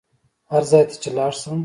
هر ځای ته چې لاړ شم.